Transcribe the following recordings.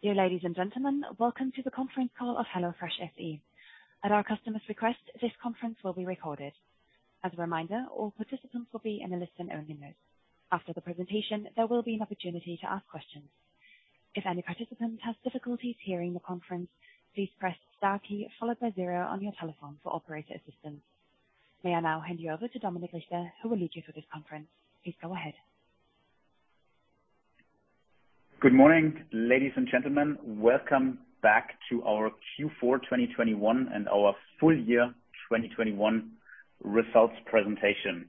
Dear ladies and gentlemen, welcome to the conference call of HelloFresh SE. At our customer's request, this conference will be recorded. As a reminder, all participants will be in a listen-only mode. After the presentation, there will be an opportunity to ask questions. If any participant has difficulties hearing the conference, please press star key followed by zero on your telephone for operator assistance. May I now hand you over to Dominik Richter, who will lead you through this conference. Please go ahead. Good morning, ladies and gentlemen. Welcome back to our Q4 2021 and our full year 2021 results presentation.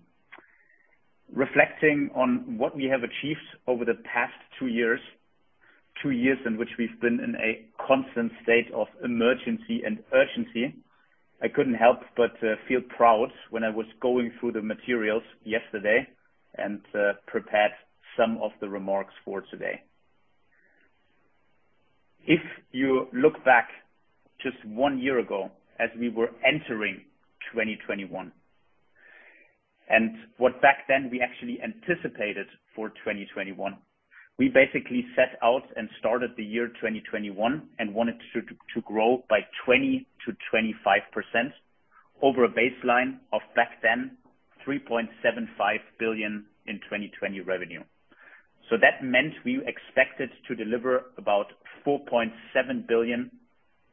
Reflecting on what we have achieved over the past two years in which we've been in a constant state of emergency and urgency, I couldn't help but feel proud when I was going through the materials yesterday and prepared some of the remarks for today. If you look back just one year ago as we were entering 2021, and what back then we actually anticipated for 2021, we basically set out and started the year 2021 and wanted to grow by 20%-25% over a baseline of back then 3.75 billion in 2020 revenue. That meant we expected to deliver about 4.7 billion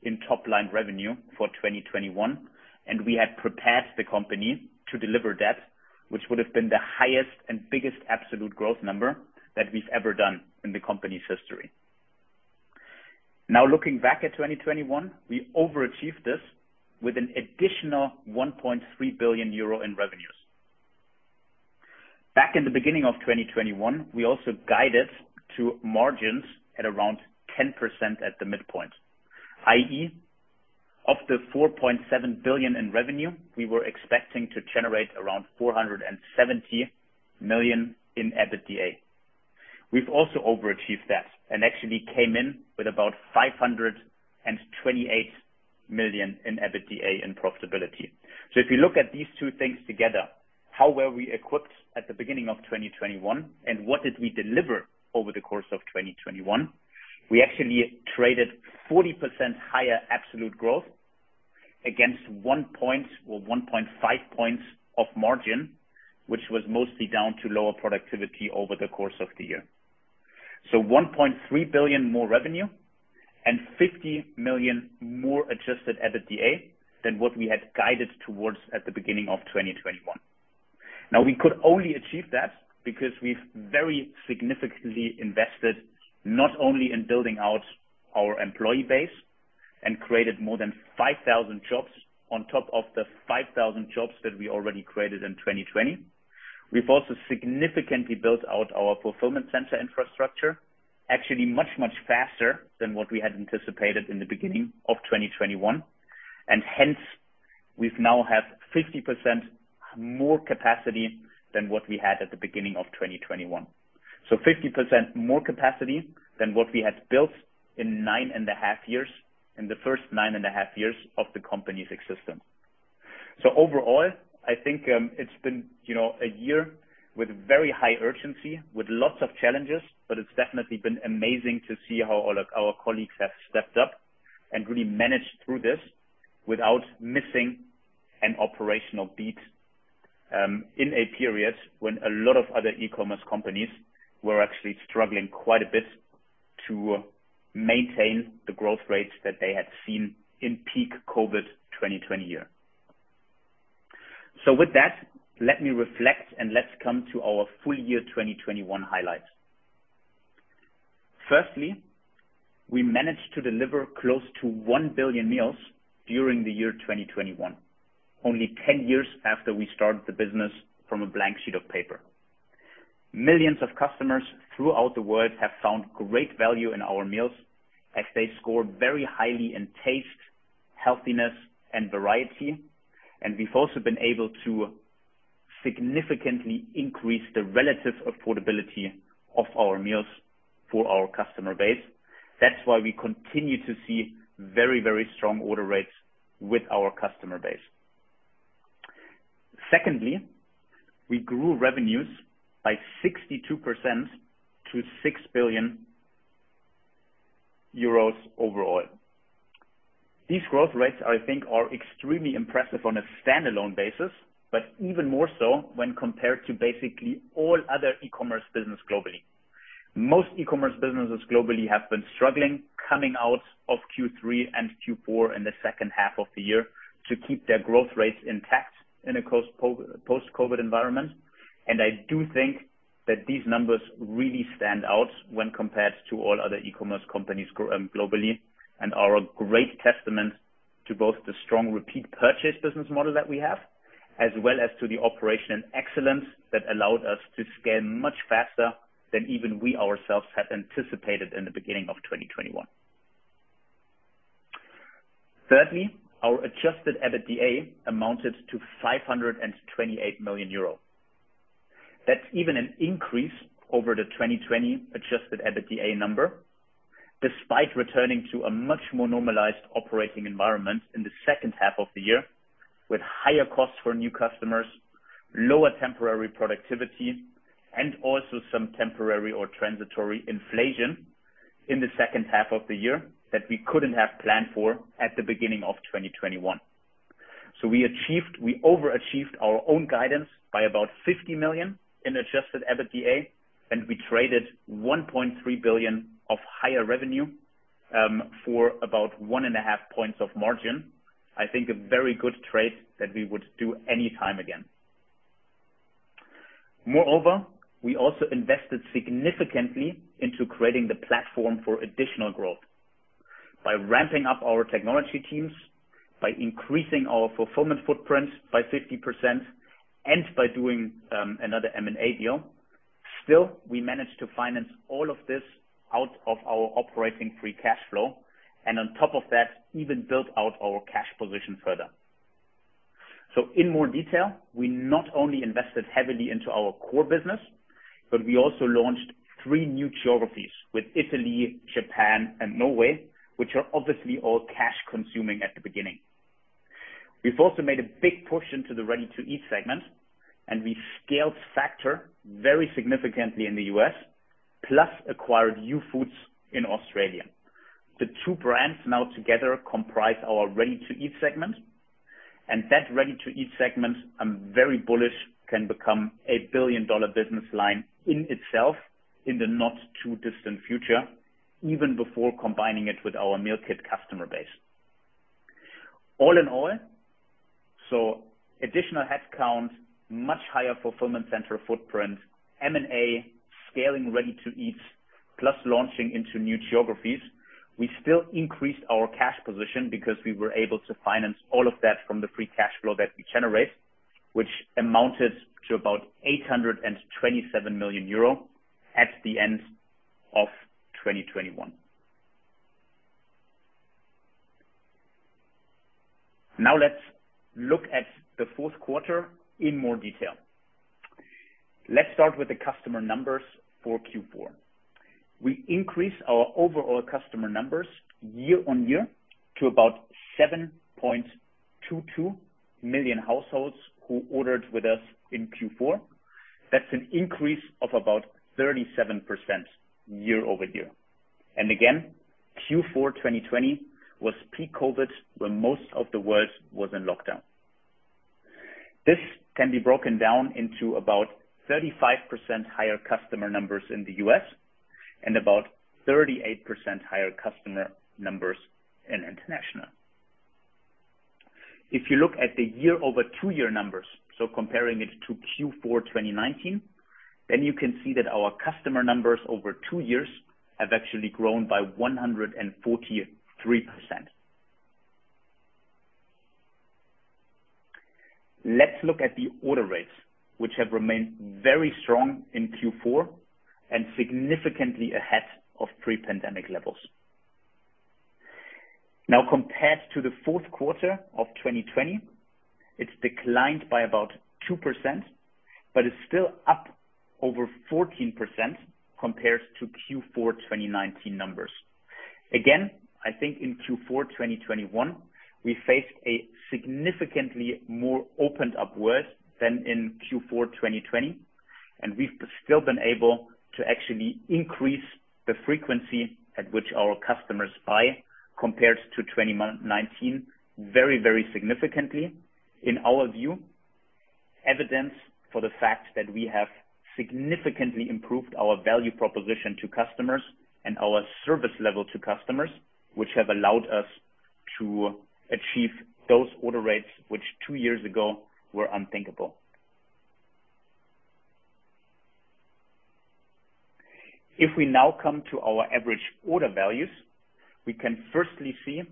in top line revenue for 2021, and we had prepared the company to deliver that, which would have been the highest and biggest absolute growth number that we've ever done in the company's history. Now, looking back at 2021, we overachieved this with an additional 1.3 billion euro in revenues. Back in the beginning of 2021, we also guided to margins at around 10% at the midpoint. I.e., of the 4.7 billion in revenue, we were expecting to generate around 470 million in EBITDA. We've also overachieved that and actually came in with about 528 million in EBITDA in profitability. If you look at these two things together, how were we equipped at the beginning of 2021 and what did we deliver over the course of 2021? We actually traded 40% higher absolute growth against 1 or 1.5 points of margin, which was mostly down to lower productivity over the course of the year. 1.3 billion more revenue and 50 million more adjusted EBITDA than what we had guided towards at the beginning of 2021. Now, we could only achieve that because we've very significantly invested, not only in building out our employee base and created more than 5,000 jobs on top of the 5,000 jobs that we already created in 2020. We've also significantly built out our fulfillment center infrastructure, actually much, much faster than what we had anticipated in the beginning of 2021. Hence, we now have 50% more capacity than what we had at the beginning of 2021. Fifty percent more capacity than what we had built in nine and a half years, in the first nine and a half years of the company's existence. Overall, I think, it's been, you know, a year with very high urgency, with lots of challenges, but it's definitely been amazing to see how all of our colleagues have stepped up and really managed through this without missing an operational beat, in a period when a lot of other e-commerce companies were actually struggling quite a bit to maintain the growth rates that they had seen in peak COVID 2020 year. With that, let me reflect and let's come to our full year 2021 highlights. Firstly, we managed to deliver close to 1 billion meals during the year 2021, only 10 years after we started the business from a blank sheet of paper. Millions of customers throughout the world have found great value in our meals as they score very highly in taste, healthiness, and variety. We've also been able to significantly increase the relative affordability of our meals for our customer base. That's why we continue to see very, very strong order rates with our customer base. Secondly, we grew revenues by 62% to EUR 6 billion overall. These growth rates, I think, are extremely impressive on a standalone basis, but even more so when compared to basically all other e-commerce business globally. Most e-commerce businesses globally have been struggling coming out of Q3 and Q4 in the second half of the year to keep their growth rates intact in a post-COVID environment. I do think that these numbers really stand out when compared to all other e-commerce companies globally and are a great testament to both the strong repeat purchase business model that we have, as well as to the operational excellence that allowed us to scale much faster than even we ourselves had anticipated in the beginning of 2021. Thirdly, our adjusted EBITDA amounted to 528 million euro. That's even an increase over the 2020 adjusted EBITDA number, despite returning to a much more normalized operating environment in the second half of the year. With higher costs for new customers, lower temporary productivity, and also some temporary or transitory inflation in the second half of the year that we couldn't have planned for at the beginning of 2021. We overachieved our own guidance by about 50 million in adjusted EBITDA, and we traded 1.3 billion of higher revenue for about 1.5 points of margin. I think a very good trade that we would do any time again. Moreover, we also invested significantly into creating the platform for additional growth. By ramping up our technology teams, by increasing our fulfillment footprints by 50%, and by doing another M&A deal. Still, we managed to finance all of this out of our operating free cash flow and on top of that, even built out our cash position further. In more detail, we not only invested heavily into our core business, but we also launched three new geographies with Italy, Japan, and Norway, which are obviously all cash consuming at the beginning. We've also made a big push into the Ready-to-Eat segment, and we scaled Factor very significantly in the U.S., plus acquired Youfoodz in Australia. The two brands now together comprise our Ready-to-Eat segment, and that Ready-to-Eat segment, I'm very bullish can become a billion-dollar business line in itself in the not too distant future, even before combining it with our meal kit customer base. All in all, additional headcount, much higher fulfillment center footprint, M&A, scaling Ready-to-Eat, plus launching into new geographies. We still increased our cash position because we were able to finance all of that from the free cash flow that we generate, which amounted to 827 million euro at the end of 2021. Now let's look at the fourth quarter in more detail. Let's start with the customer numbers for Q4. We increased our overall customer numbers year-on-year to 7.22 million households who ordered with us in Q4. That's an increase of 37% year-over-year. Q4 2020 was peak COVID, when most of the world was in lockdown. This can be broken down into 35% higher customer numbers in the U.S. and 38% higher customer numbers in international. If you look at the year-over-two-year numbers, so comparing it to Q4 2019, then you can see that our customer numbers over two years have actually grown by 143%. Let's look at the order rates, which have remained very strong in Q4 and significantly ahead of pre-pandemic levels. Now, compared to the fourth quarter of 2020, it's declined by about 2%, but it's still up over 14% compared to Q4 2019 numbers. Again, I think in Q4 2021, we faced a significantly more opened-up world than in Q4 2020, and we've still been able to actually increase the frequency at which our customers buy compared to 2019 very, very significantly. In our view, evidence for the fact that we have significantly improved our value proposition to customers and our service level to customers, which have allowed us to achieve those order rates, which two years ago were unthinkable. If we now come to our average order values, we can firstly see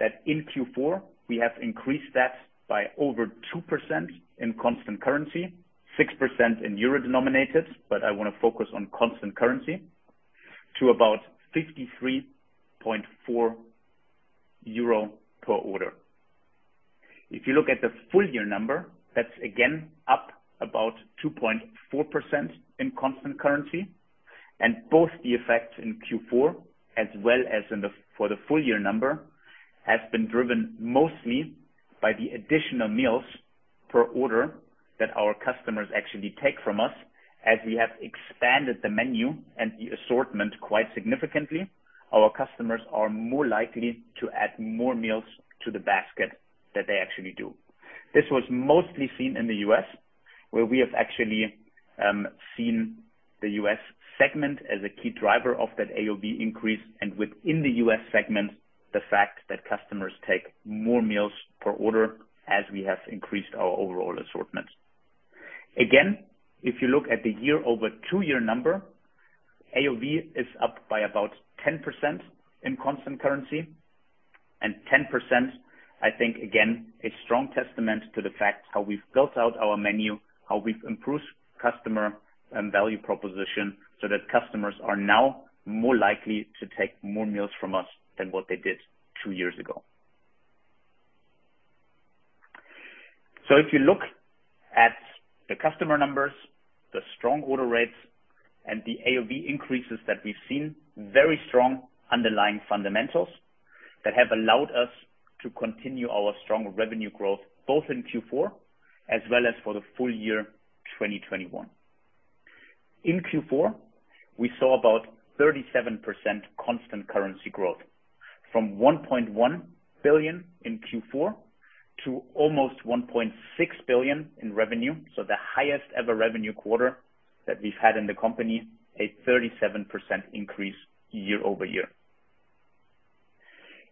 that in Q4 we have increased that by over 2% in constant currency, 6% in euro-denominated, but I wanna focus on constant currency, to about 53.4 euro per order. If you look at the full year number, that's again up about 2.4% in constant currency and both the effects in Q4 as well as in the for the full year number, has been driven mostly by the additional meals per order that our customers actually take from us. As we have expanded the menu and the assortment quite significantly, our customers are more likely to add more meals to the basket than they actually do. This was mostly seen in the U.S., where we have actually seen the U.S. segment as a key driver of that AOV increase, and within the U.S. segment, the fact that customers take more meals per order as we have increased our overall assortment. Again, if you look at the year-over-two-year number, AOV is up by about 10% in constant currency and 10%, I think again, a strong testament to the fact how we've built out our menu, how we've improved customer value proposition so that customers are now more likely to take more meals from us than what they did two years ago. If you look at the customer numbers, the strong order rates and the AOV increases that we've seen, very strong underlying fundamentals that have allowed us to continue our strong revenue growth both in Q4 as well as for the full year 2021. In Q4, we saw about 37% constant currency growth from 1.1 billion in Q4 to almost 1.6 billion in revenue. The highest ever revenue quarter that we've had in the company, a 37% increase year-over-year.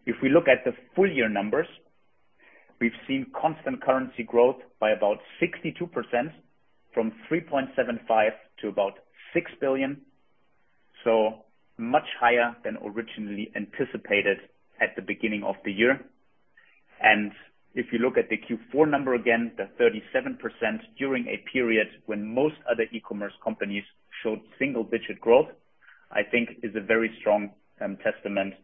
If we look at the full year numbers, we've seen constant currency growth by about 62% from 3.75 billion to about 6 billion. Much higher than originally anticipated at the beginning of the year. If you look at the Q4 number, again, the 37% during a period when most other e-commerce companies showed single-digit growth, I think is a very strong testament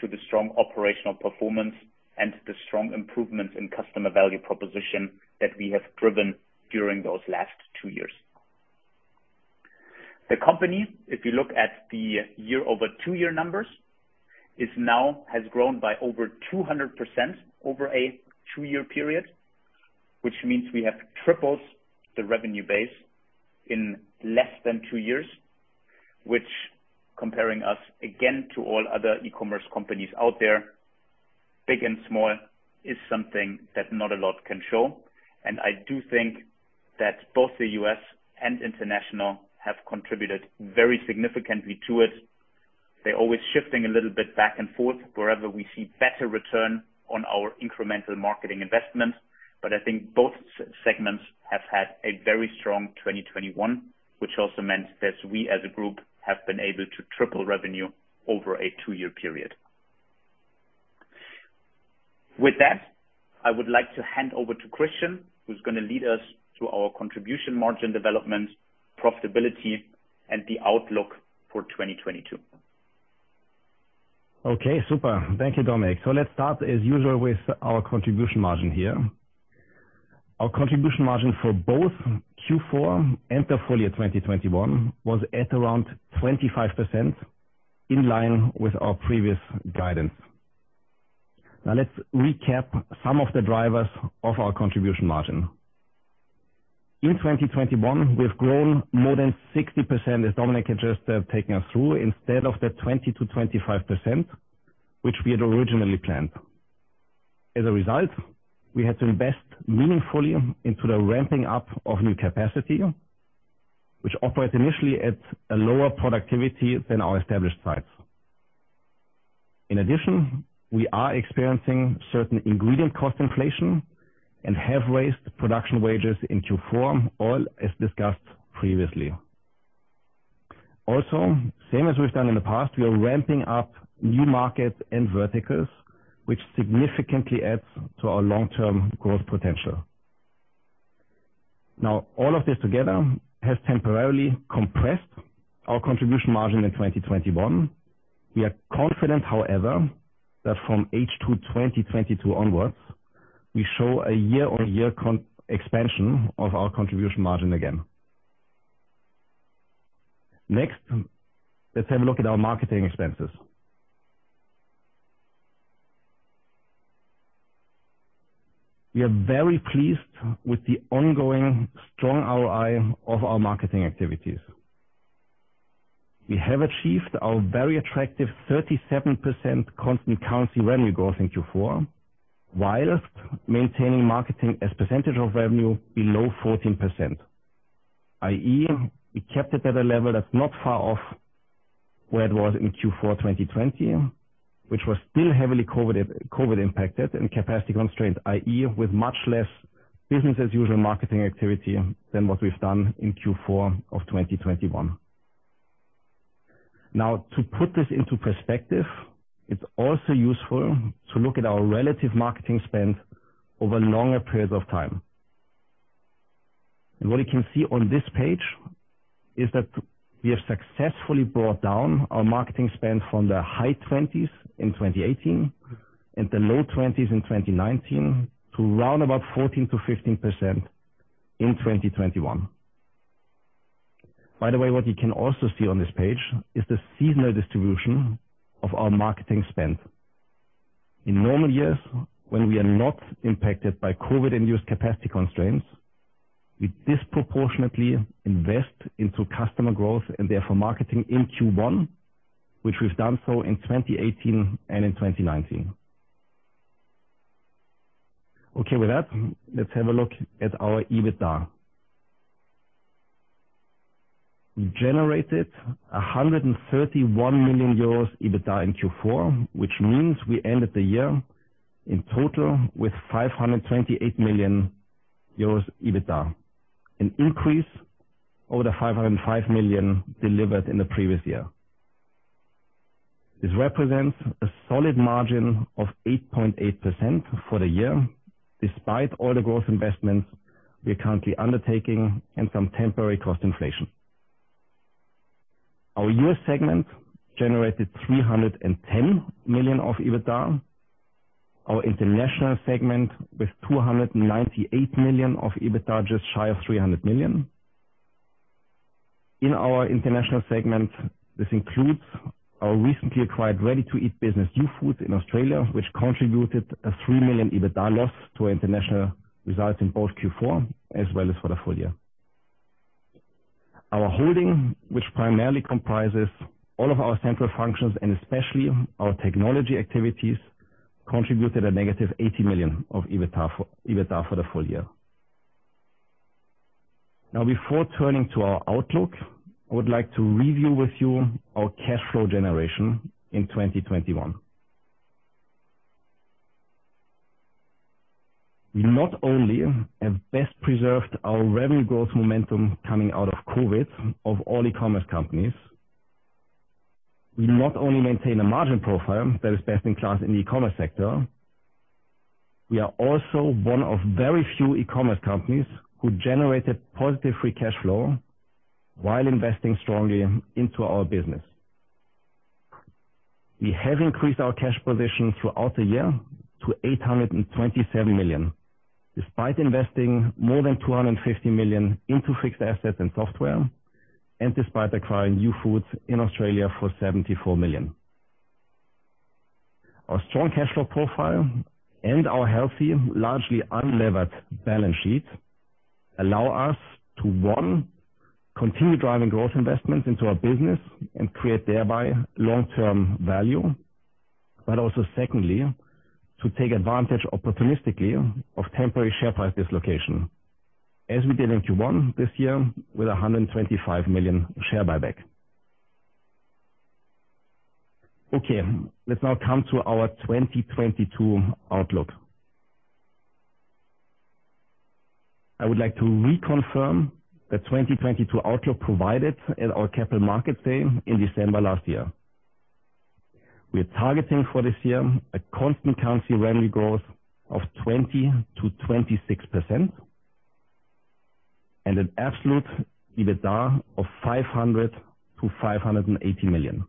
to the strong operational performance and the strong improvements in customer value proposition that we have driven during those last two years. The company, if you look at the year-over-two-year numbers, has grown by over 200% over a two-year period, which means we have tripled the revenue base in less than two years, which comparing us again to all other e-commerce companies out there, big and small, is something that not a lot can show. I do think that both the U.S. and international have contributed very significantly to it. They're always shifting a little bit back and forth wherever we see better return on our incremental marketing investments. I think both segments have had a very strong 2021, which also meant that we as a group have been able to triple revenue over a 2-year period. With that, I would like to hand over to Christian, who's gonna lead us through our contribution margin development, profitability and the outlook for 2022. Okay, super. Thank you, Dominik. Let's start as usual with our Contribution Margin here. Our Contribution Margin for both Q4 and the full year 2021 was at around 25% in line with our previous guidance. Now let's recap some of the drivers of our Contribution Margin. In 2021, we've grown more than 60%, as Dominik had just taken us through, instead of the 20%-25%, which we had originally planned. As a result, we had to invest meaningfully into the ramping up of new capacity, which operates initially at a lower productivity than our established sites. In addition, we are experiencing certain ingredient cost inflation and have raised production wages in Q4, all as discussed previously. Also, same as we've done in the past, we are ramping up new markets and verticals, which significantly adds to our long-term growth potential. Now, all of this together has temporarily compressed our Contribution Margin in 2021. We are confident, however, that from H2 2022 onwards, we show a year-on-year expansion of our Contribution Margin again. Next, let's have a look at our marketing expenses. We are very pleased with the ongoing strong ROI of our marketing activities. We have achieved our very attractive 37% constant currency revenue growth in Q4 while maintaining marketing as percentage of revenue below 14%, i.e., we kept it at a level that's not far off where it was in Q4 2020, which was still heavily COVID impacted and capacity constrained, i.e., with much less business as usual marketing activity than what we've done in Q4 of 2021. Now, to put this into perspective, it's also useful to look at our relative marketing spend over longer periods of time. What you can see on this page is that we have successfully brought down our marketing spend from the high 20s in 2018 and the low 20s in 2019 to round about 14%-15% in 2021. By the way, what you can also see on this page is the seasonal distribution of our marketing spend. In normal years when we are not impacted by COVID induced capacity constraints, we disproportionately invest into customer growth and therefore marketing in Q1, which we've done so in 2018 and in 2019. Okay, with that, let's have a look at our EBITDA. We generated 131 million euros EBITDA in Q4, which means we ended the year in total with 528 million euros EBITDA, an increase over the 505 million delivered in the previous year. This represents a solid margin of 8.8% for the year despite all the growth investments we are currently undertaking and some temporary cost inflation. Our U.S. segment generated 310 million of EBITDA. Our international segment with 298 million of EBITDA, just shy of 300 million. In our international segment, this includes our recently acquired ready-to-eat business, Youfoodz, in Australia, which contributed a 3 million EBITDA loss to our international results in both Q4 as well as for the full year. Our holding, which primarily comprises all of our central functions and especially our technology activities, contributed a -80 million of EBITDA for the full year. Now, before turning to our outlook, I would like to review with you our cash flow generation in 2021. We not only have best preserved our revenue growth momentum coming out of COVID of all e-commerce companies, we not only maintain a margin profile that is best in class in the e-commerce sector, we are also one of very few e-commerce companies who generated positive free cash flow while investing strongly into our business. We have increased our cash position throughout the year to 827 million, despite investing more than 250 million into fixed assets and software, and despite acquiring Youfoodz in Australia for 74 million. Our strong cash flow profile and our healthy, largely unlevered balance sheet allow us to, one, continue driving growth investments into our business and create thereby long-term value. Also secondly, to take advantage opportunistically of temporary share price dislocation, as we did in Q1 this year with a 125 million share buyback. Okay, let's now come to our 2022 outlook. I would like to reconfirm the 2022 outlook provided at our Capital Markets Day in December last year. We are targeting for this year a constant currency revenue growth of 20%-26% and an absolute EBITDA of 500 million-580 million.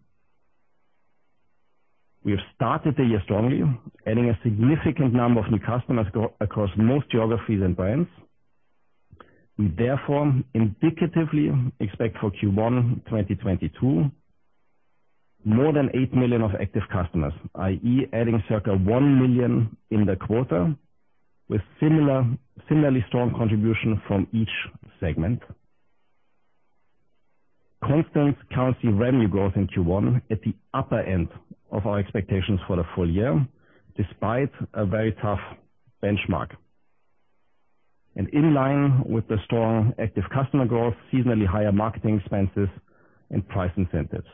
We have started the year strongly, adding a significant number of new customers across most geographies and brands. We therefore indicatively expect for Q1 2022 more than 8 million active customers, i.e. adding circa 1 million in the quarter, with similarly strong contribution from each segment. Constant currency revenue growth in Q1 at the upper end of our expectations for the full year, despite a very tough benchmark. In line with the strong active customer growth, seasonally higher marketing expenses and price incentives.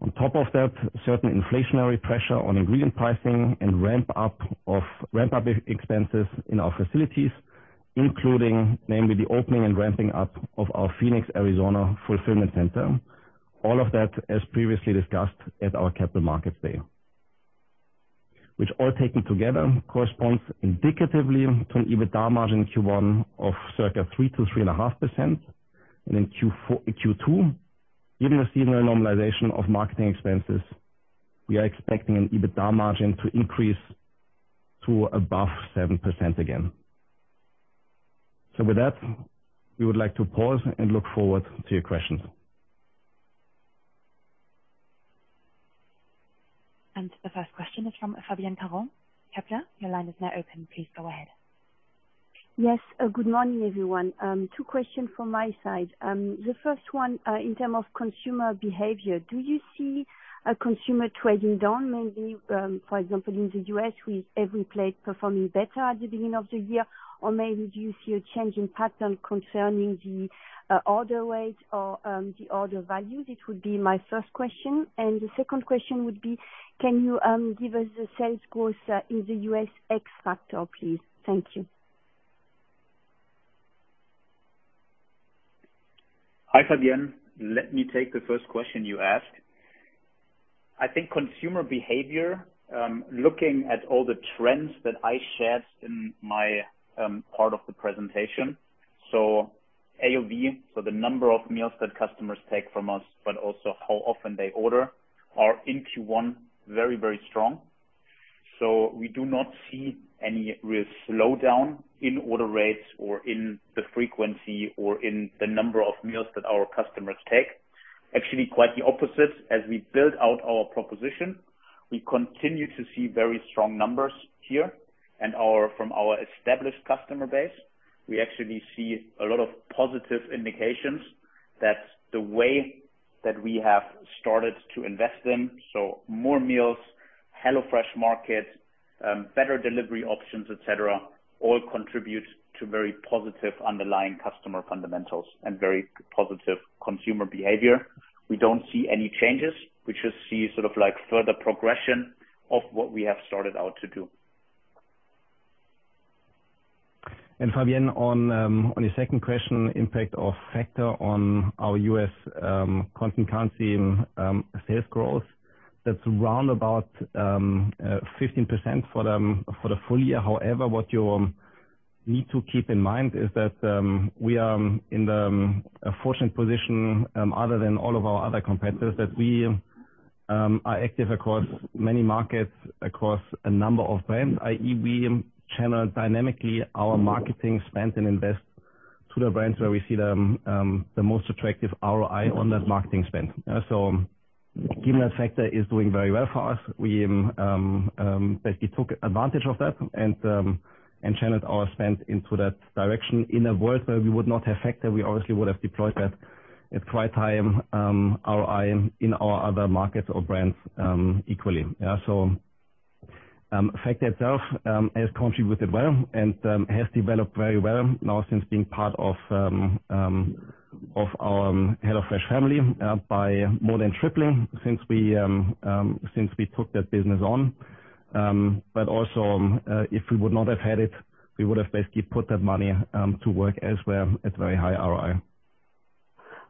On top of that, certain inflationary pressure on ingredient pricing and ramp up expenses in our facilities, including namely the opening and ramping up of our Phoenix, Arizona, fulfillment center. All of that, as previously discussed at our Capital Markets Day. Which all taken together corresponds indicatively to an EBITDA margin in Q1 of circa 3%-3.5%. In Q2, given the seasonal normalization of marketing expenses, we are expecting an EBITDA margin to increase to above 7% again. With that, we would like to pause and look forward to your questions. The first question is from Fabienne Caron, Kepler. Your line is now open. Please go ahead. Yes. Good morning, everyone. Two questions from my side. The first one, in terms of consumer behavior, do you see a consumer trading down, maybe, for example, in the U.S., with EveryPlate performing better at the beginning of the year? Or maybe do you see a change in pattern concerning the order rate or the order values? It would be my first question. The second question would be, can you give us the sales growth in the U.S. Factor, please? Thank you. Hi, Fabienne. Let me take the first question you asked. I think consumer behavior, looking at all the trends that I shared in my part of the presentation. AOV, so the number of meals that customers take from us, but also how often they order, are in Q1 very, very strong. We do not see any real slowdown in order rates or in the frequency or in the number of meals that our customers take. Actually, quite the opposite. As we build out our proposition, we continue to see very strong numbers here and from our established customer base. We actually see a lot of positive indications that the way that we have started to invest in, so more meals, HelloFresh Market, better delivery options, et cetera, all contribute to very positive underlying customer fundamentals and very positive consumer behavior. We don't see any changes. We just see sort of like further progression of what we have started out to do. Fabienne, on your second question, impact of Factor on our U.S. constant currency and sales growth. That's around about 15% for the full year. However, what you need to keep in mind is that we are in a fortunate position, other than all of our other competitors, that we are active across many markets across a number of brands, i.e., we channel dynamically our marketing spend and invest to the brands where we see the most attractive ROI on that marketing spend. Given that Factor is doing very well for us. We basically took advantage of that and channeled our spend into that direction. In a world where we would not have Factor, we obviously would have deployed that at quite high ROI in our other markets or brands, equally. Yeah, Factor itself has contributed well and has developed very well now since being part of our HelloFresh family by more than tripling since we took that business on. But also, if we would not have had it, we would have basically put that money to work as well at very high ROI.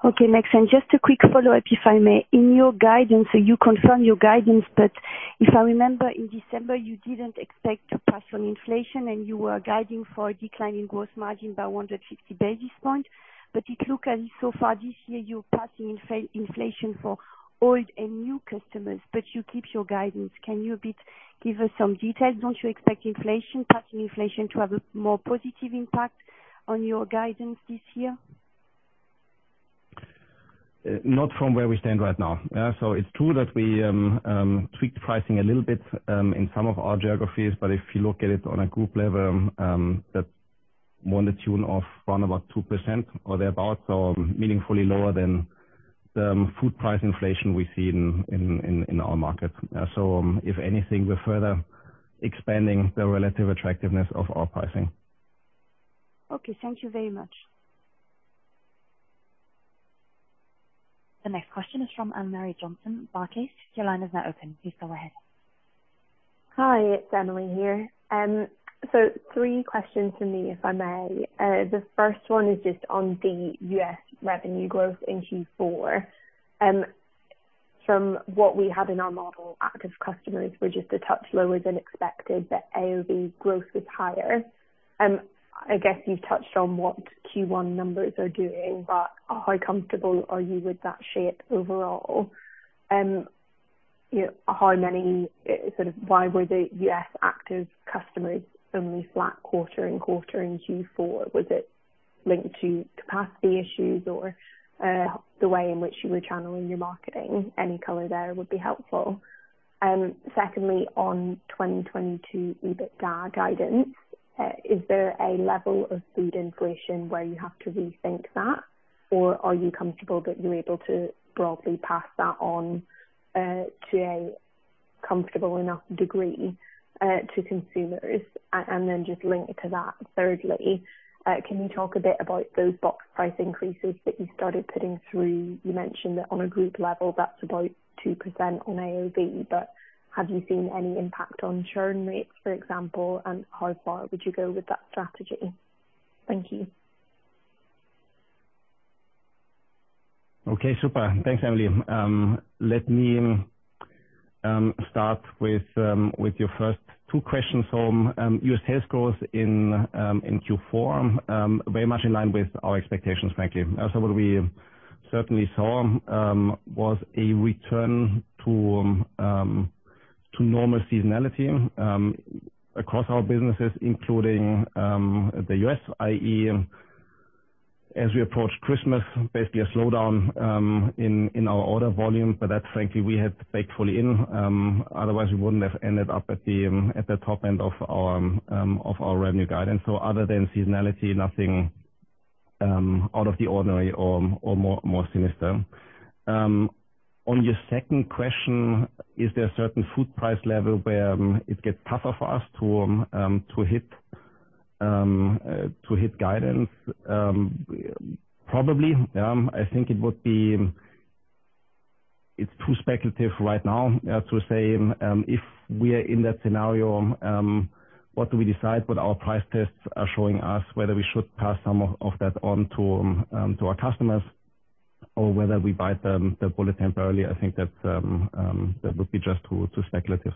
Okay, thanks. Just a quick follow-up, if I may. In your guidance, so you confirm your guidance, that if I remember in December, you didn't expect to pass on inflation and you were guiding for a decline in gross margin by 150 basis points. It looks as so far this year you're passing inflation for old and new customers, but you keep your guidance. Can you a bit give us some details? Don't you expect inflation, passing inflation to have a more positive impact on your guidance this year? Not from where we stand right now. Yeah, it's true that we tweaked pricing a little bit in some of our geographies, but if you look at it on a group level, that's more to the tune of around about 2% or thereabout, so meaningfully lower than the food price inflation we see in our markets. If anything, we're further expanding the relative attractiveness of our pricing. Okay, thank you very much. The next question is from Emily Johnson, Barclays. Your line is now open. Please go ahead. Hi, it's Emily here. Three questions from me, if I may. The first one is just on the U.S. revenue growth in Q4. From what we had in our model, active customers were just a touch lower than expected, but AOV growth was higher. I guess you've touched on what Q1 numbers are doing, but how comfortable are you with that shape overall? Sort of, why were the U.S. active customers only flat quarter-over-quarter in Q4? Was it linked to capacity issues or the way in which you were channeling your marketing? Any color there would be helpful. Secondly, on 2022 EBITDA guidance, is there a level of food inflation where you have to rethink that? Or are you comfortable that you're able to broadly pass that on to a comfortable enough degree to consumers? Just linked to that, thirdly, can you talk a bit about those box price increases that you started putting through? You mentioned that on a group level, that's about 2% on AOV, but have you seen any impact on churn rates, for example, and how far would you go with that strategy? Thank you. Okay, super. Thanks, Emily. Let me start with your first two questions. U.S. sales growth in Q4 very much in line with our expectations, frankly. Also what we certainly saw was a return to normal seasonality across our businesses, including the U.S., i.e., as we approach Christmas, basically a slowdown in our order volume, but that frankly, we had baked fully in. Otherwise we wouldn't have ended up at the top end of our revenue guidance. Other than seasonality, nothing out of the ordinary or more sinister. On your second question, is there a certain food price level where it gets tougher for us to hit guidance? Probably, I think it would be. It's too speculative right now to say if we are in that scenario, what do we decide what our price tests are showing us, whether we should pass some of that on to our customers or whether we bite the bullet temporarily. I think that would be just too speculative.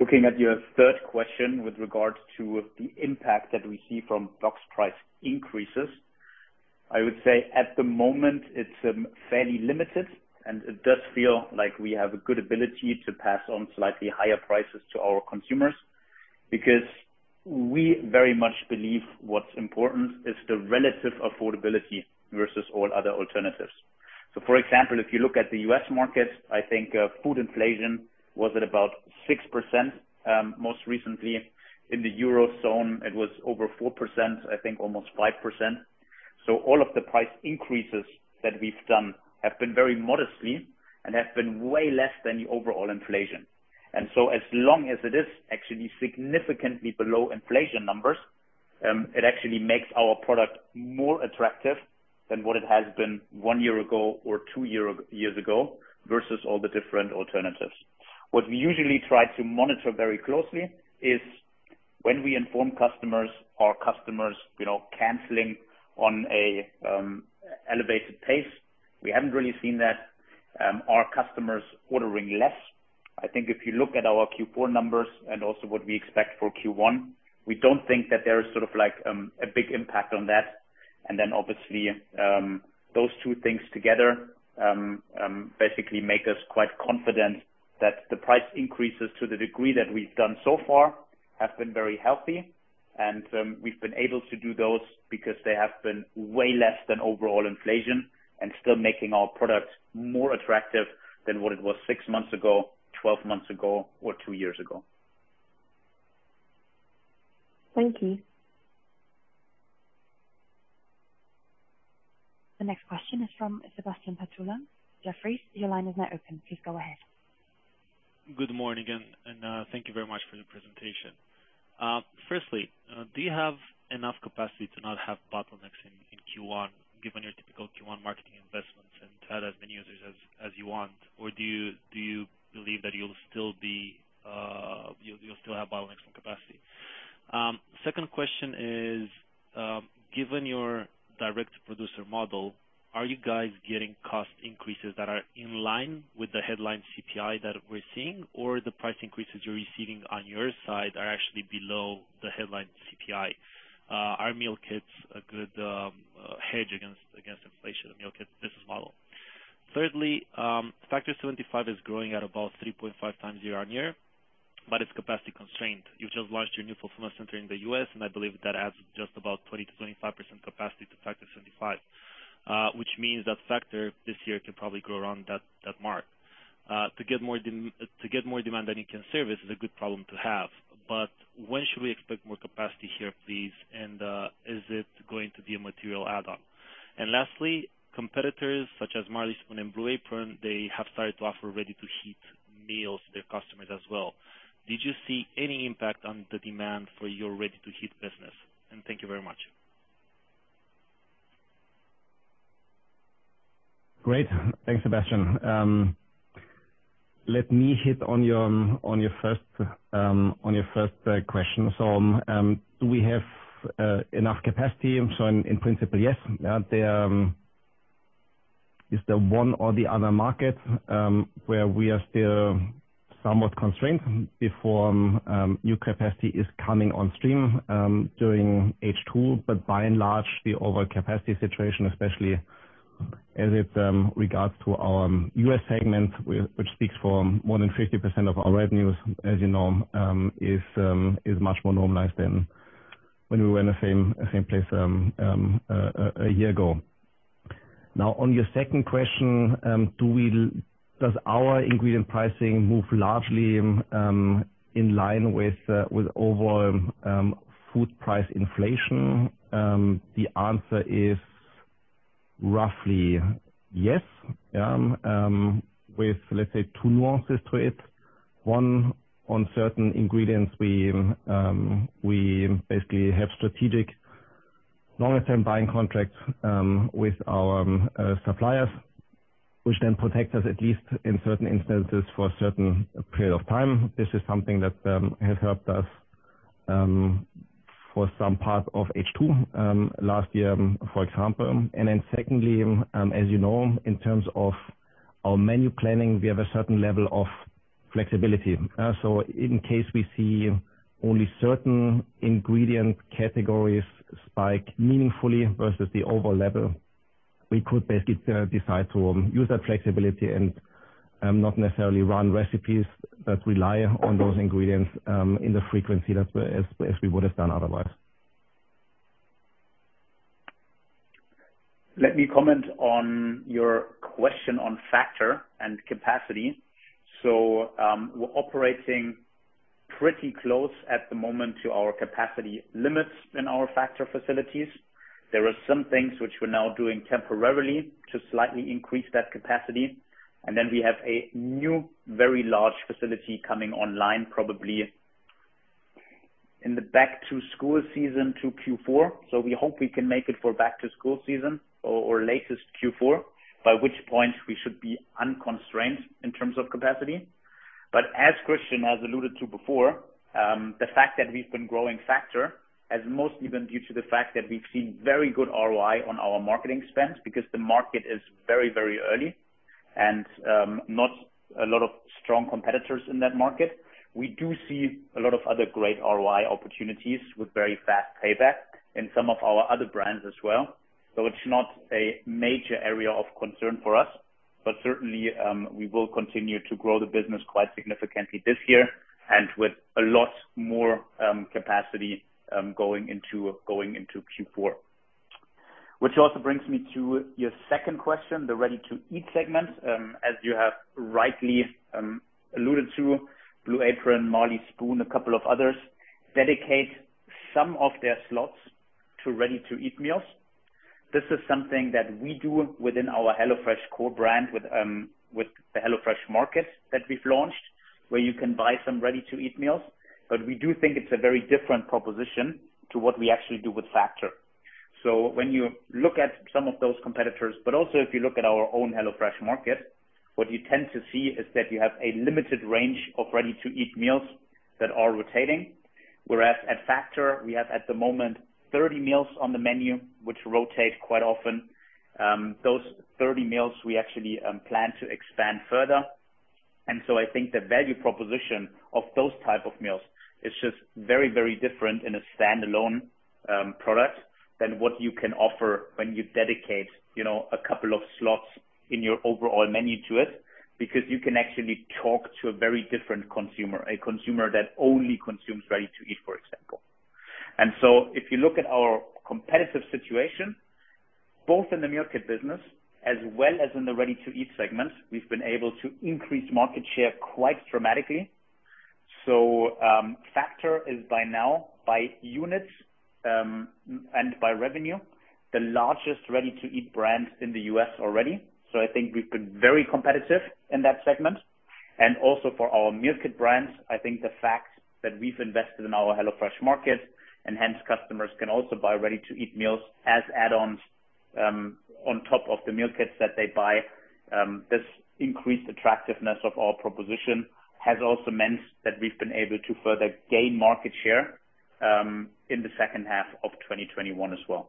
Looking at your third question with regards to the impact that we see from box price increases. I would say at the moment it's fairly limited, and it does feel like we have a good ability to pass on slightly higher prices to our consumers because we very much believe what's important is the relative affordability versus all other alternatives. For example, if you look at the U.S. market, I think food inflation was at about 6%. Most recently in the Eurozone, it was over 4%, I think almost 5%. All of the price increases that we've done have been very modestly and have been way less than the overall inflation. As long as it is actually significantly below inflation numbers, it actually makes our product more attractive than what it has been one year ago or two years ago versus all the different alternatives. What we usually try to monitor very closely is When we inform customers, are customers, you know, canceling on a elevated pace? We haven't really seen that. Are customers ordering less? I think if you look at our Q4 numbers and also what we expect for Q1, we don't think that there is sort of like a big impact on that. Then obviously, those two things together basically make us quite confident that the price increases to the degree that we've done so far have been very healthy. We've been able to do those because they have been way less than overall inflation and still making our products more attractive than what it was six months ago, 12 months ago or two years ago. Thank you. The next question is from Sebastian Patulea. Jefferies, your line is now open. Please go ahead. Good morning again, thank you very much for the presentation. First, do you have enough capacity to not have bottlenecks in Q1, given your typical Q1 marketing investments and to add as many users as you want? Or do you believe that you'll still have bottlenecks in capacity? Second question is, given your direct producer model, are you guys getting cost increases that are in line with the headline CPI that we're seeing or the price increases you're receiving on your side are actually below the headline CPI? Are meal kits a good hedge against inflation of meal kit business model? Third, Factor 75 is growing at about 3.5 times year-over-year, but it's capacity constrained. You've just launched your new fulfillment center in the U.S., and I believe that adds just about 20%-25% capacity to Factor 75. Which means that Factor this year can probably grow around that mark. To get more demand than you can service is a good problem to have. When should we expect more capacity here, please? And is it going to be a material add-on? And lastly, competitors such as Marley Spoon and Blue Apron, they have started to offer ready-to-eat meals to their customers as well. Did you see any impact on the demand for your ready-to-eat business? Thank you very much. Great. Thanks, Sebastian. Let me hit on your first question. Do we have enough capacity? In principle, yes. There is the one or the other market where we are still somewhat constrained before new capacity is coming on stream during H2. But by and large, the overcapacity situation, especially as it regards to our U.S. segment, which speaks for more than 50% of our revenues, as you know, is much more normalized than when we were in the same place a year ago. Now, on your second question, does our ingredient pricing move largely in line with overall food price inflation? The answer is roughly yes, with let's say two nuances to it. One, on certain ingredients, we basically have strategic longer-term buying contracts with our suppliers, which then protect us, at least in certain instances, for a certain period of time. This is something that has helped us for some part of H2 last year, for example. Secondly, as you know, in terms of our menu planning, we have a certain level of flexibility. In case we see only certain ingredient categories spike meaningfully versus the overall level, we could basically decide to use that flexibility and not necessarily run recipes that rely on those ingredients in the frequency that as we would have done otherwise. Let me comment on your question on Factor and capacity. We're operating pretty close at the moment to our capacity limits in our Factor facilities. There are some things which we're now doing temporarily to slightly increase that capacity. We have a new very large facility coming online probably in the back-to-school season to Q4. We hope we can make it for back-to-school season or latest Q4, by which point we should be unconstrained in terms of capacity. As Christian has alluded to before, the fact that we've been growing Factor has mostly been due to the fact that we've seen very good ROI on our marketing spends because the market is very, very early and not a lot of strong competitors in that market. We do see a lot of other great ROI opportunities with very fast payback in some of our other brands as well. It's not a major area of concern for us, but certainly we will continue to grow the business quite significantly this year and with a lot more capacity going into Q4. Which also brings me to your second question, the Ready-to-Eat segment. As you have rightly alluded to, Blue Apron, Marley Spoon, a couple of others dedicate some of their slots to Ready-to-Eat meals. This is something that we do within our HelloFresh core brand with the HelloFresh Market that we've launched, where you can buy some Ready-to-Eat meals. But we do think it's a very different proposition to what we actually do with Factor. When you look at some of those competitors, but also if you look at our own HelloFresh Market, what you tend to see is that you have a limited range of ready-to-eat meals that are rotating. Whereas at Factor, we have at the moment 30 meals on the menu, which rotate quite often. Those 30 meals we actually plan to expand further. I think the value proposition of those type of meals is just very, very different in a stand-alone product than what you can offer when you dedicate, you know, a couple of slots in your overall menu to it, because you can actually talk to a very different consumer, a consumer that only consumes ready-to-eat, for example. If you look at our competitive situation, both in the meal kit business as well as in the ready-to-eat segment, we've been able to increase market share quite dramatically. Factor is by now, by units, and by revenue, the largest ready-to-eat brand in the U.S. already. I think we've been very competitive in that segment. For our meal kit brands, I think the fact that we've invested in our HelloFresh Market, and hence customers can also buy ready-to-eat meals as add-ons, on top of the meal kits that they buy. This increased attractiveness of our proposition has also meant that we've been able to further gain market share, in the second half of 2021 as well.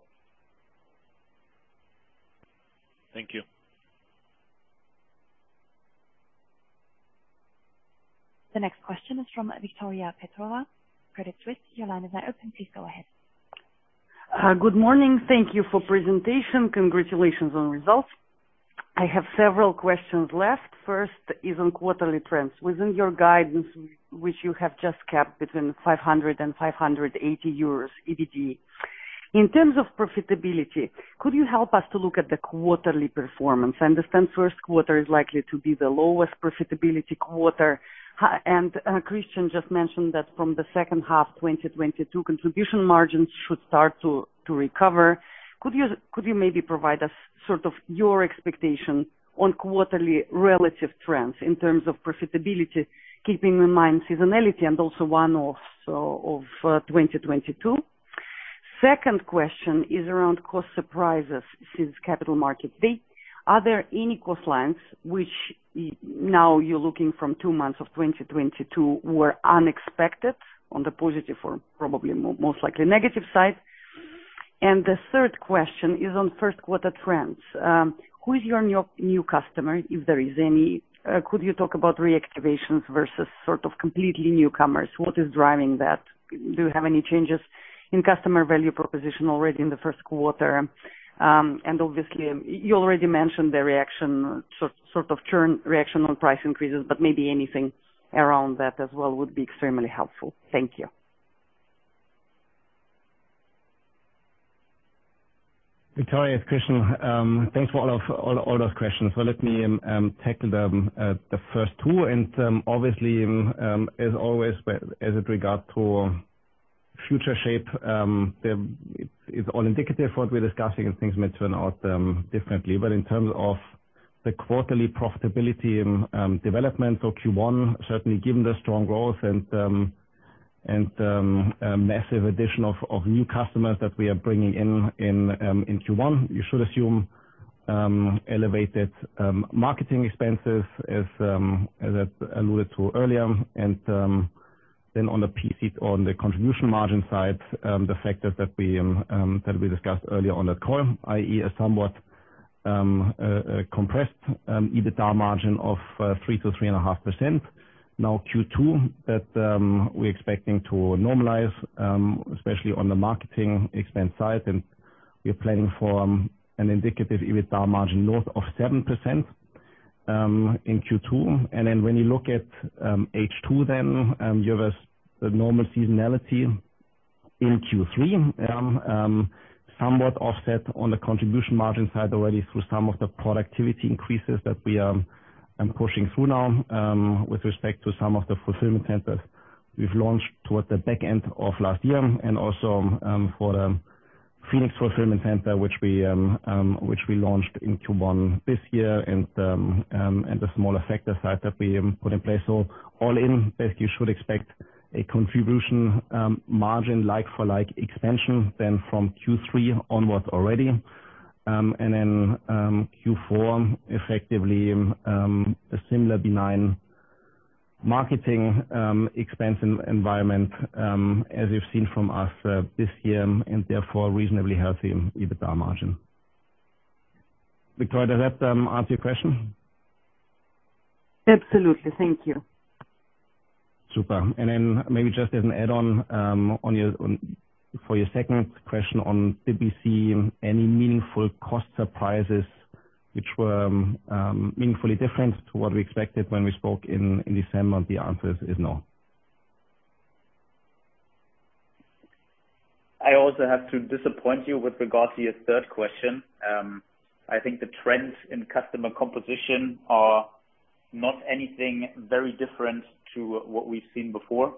Thank you. The next question is from Victoria Petrova, Credit Suisse. Your line is now open. Please go ahead. Good morning. Thank you for presentation. Congratulations on results. I have several questions left. First is on quarterly trends. Within your guidance, which you have just kept between 500 and 580 euros, EBITDA. In terms of profitability, could you help us to look at the quarterly performance? I understand first quarter is likely to be the lowest profitability quarter. Christian just mentioned that from the second half 2022, Contribution Margins should start to recover. Could you maybe provide us sort of your expectation on quarterly relative trends in terms of profitability, keeping in mind seasonality and also one-offs of 2022? Second question is around cost surprises since Capital Markets Day. Are there any cost lines which now you're looking from two months of 2022 were unexpected on the positive or probably most likely negative side? The third question is on first quarter trends. Who is your new customer, if there is any? Could you talk about reactivations versus sort of completely newcomers? What is driving that? Do you have any changes in customer value proposition already in the first quarter? Obviously, you already mentioned the reaction, sort of turn reaction on price increases, but maybe anything around that as well would be extremely helpful. Thank you. Victoria, it's Christian. Thanks for all those questions. Let me tackle the first two. Obviously, as always, as with regard to future shape, it's all indicative what we're discussing and things may turn out differently. In terms of the quarterly profitability and development of Q1, certainly given the strong growth and a massive addition of new customers that we are bringing in in Q1, you should assume elevated marketing expenses as I alluded to earlier. Then on the PC, on the contribution margin side, the factors that we discussed earlier on the call, i.e., a somewhat compressed EBITDA margin of 3%-3.5%. Now, Q2, that we're expecting to normalize, especially on the marketing expense side, and we're planning for an indicative EBITDA margin north of 7% in Q2. When you look at H2, you have a normal seasonality in Q3, somewhat offset on the Contribution Margin side already through some of the productivity increases that we are pushing through now with respect to some of the fulfillment centers we've launched towards the back end of last year and also for the Phoenix fulfillment center, which we launched in Q1 this year and the smaller Factor site that we put in place. All in, basically you should expect a Contribution Margin like-for-like expansion then from Q3 onwards already. Q4, effectively, a similar benign marketing expense environment as you've seen from us this year and therefore reasonably healthy EBITDA margin. Victoria, does that answer your question? Absolutely. Thank you. Super. Maybe just as an add-on for your second question, did we see any meaningful cost surprises which were meaningfully different to what we expected when we spoke in December? The answer is no. I also have to disappoint you with regards to your third question. I think the trends in customer composition are not anything very different to what we've seen before.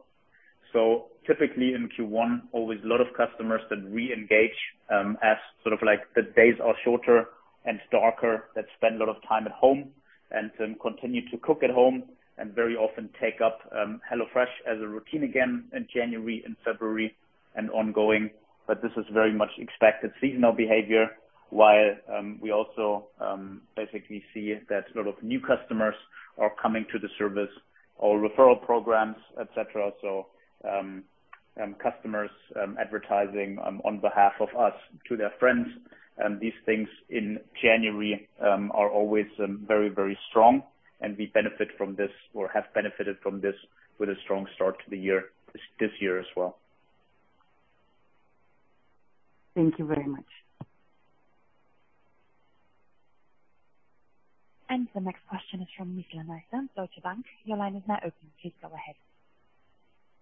Typically in Q1, always a lot of customers that re-engage, as sort of like the days are shorter and darker, that spend a lot of time at home and then continue to cook at home and very often take up HelloFresh as a routine again in January and February and ongoing. This is very much expected seasonal behavior, while we also basically see that sort of new customers are coming to the service or referral programs, et cetera. Customers advertising on behalf of us to their friends. These things in January are always very, very strong and we benefit from this or have benefited from this with a strong start to the year, this year as well. Thank you very much. The next question is from Nizla Naizer, Deutsche Bank. Your line is now open. Please go ahead.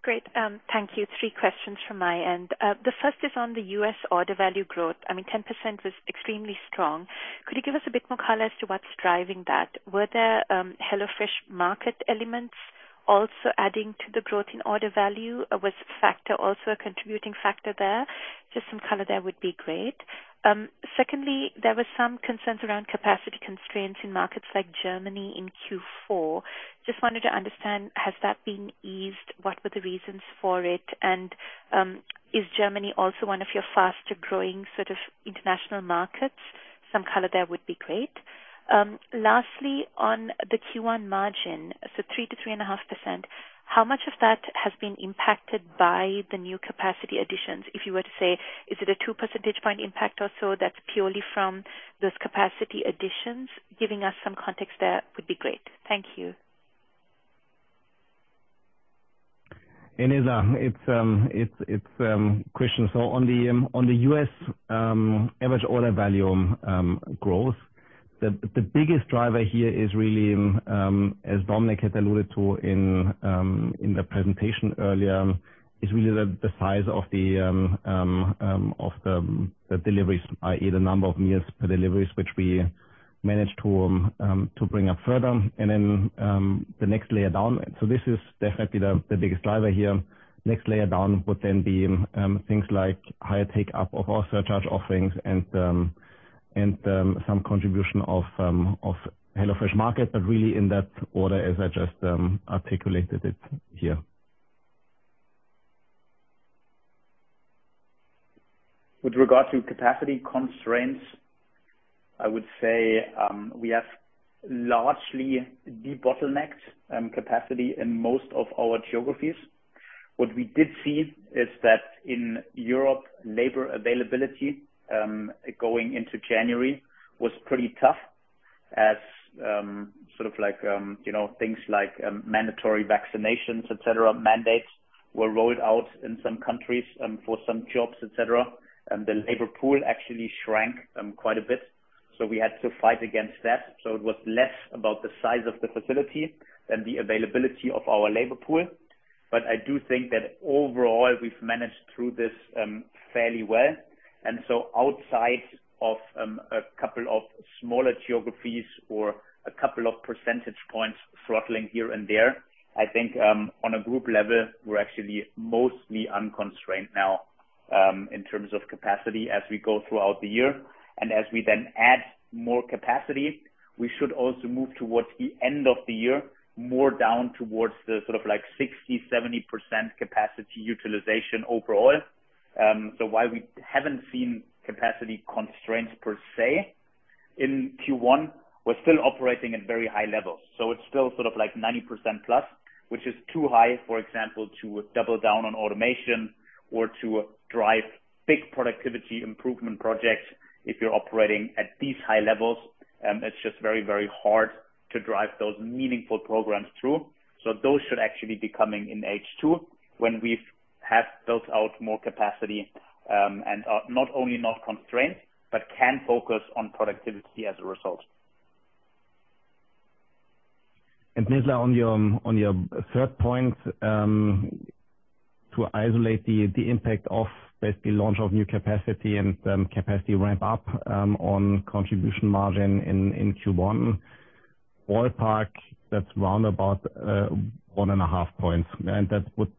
Great. Thank you. Three questions from my end. The first is on the U.S. order value growth. I mean 10% was extremely strong. Could you give us a bit more color as to what's driving that? Were there, HelloFresh Market elements also adding to the growth in order value? Was Factor also a contributing factor there? Just some color there would be great. Secondly, there were some concerns around capacity constraints in markets like Germany in Q4. Just wanted to understand, has that been eased? What were the reasons for it? And, is Germany also one of your faster-growing sort of international markets? Some color there would be great. Lastly, on the Q1 margin, so 3%-3.5%, how much of that has been impacted by the new capacity additions? If you were to say, is it a 2 percentage point impact or so that's purely from those capacity additions? Giving us some context there would be great. Thank you. Hey, Nizla. It's Christian. On the U.S. average order value growth, the biggest driver here is really as Dominik had alluded to in the presentation earlier, the size of the deliveries, i.e., the number of meals per deliveries, which we managed to bring up further. This is definitely the biggest driver here. Next layer down would then be things like higher take-up of our surcharge offerings and some contribution of HelloFresh Market, but really in that order as I just articulated it here. With regard to capacity constraints, I would say, we have largely de-bottlenecked capacity in most of our geographies. What we did see is that in Europe, labor availability going into January was pretty tough as, sort of like, you know, things like, mandatory vaccinations, et cetera, mandates were rolled out in some countries, for some jobs, et cetera. The labor pool actually shrank quite a bit. We had to fight against that. It was less about the size of the facility than the availability of our labor pool. I do think that overall we've managed through this fairly well. Outside of a couple of smaller geographies or a couple of percentage points throttling here and there, I think on a group level, we're actually mostly unconstrained now in terms of capacity as we go throughout the year. As we then add more capacity, we should also move towards the end of the year, more down towards the sort of like 60%-70% capacity utilization overall. While we haven't seen capacity constraints per se in Q1, we're still operating at very high levels. It's still sort of like 90%+, which is too high, for example, to double down on automation or to drive big productivity improvement projects. If you're operating at these high levels, it's just very, very hard to drive those meaningful programs through. Those should actually be coming in H2 when we have built out more capacity, and are not only not constrained, but can focus on productivity as a result. Nizla, on your third point, to isolate the impact of basically launch of new capacity and capacity ramp up on Contribution Margin in Q1. Ballpark, that's round about 1.5 points. That would